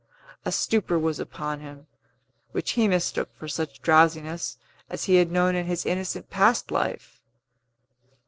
A stupor was upon him, which he mistook for such drowsiness as he had known in his innocent past life.